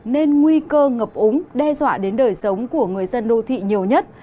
nên nguy cơ ngập úng đe dọa đến đời sống của người dân đô thị nhiều nhất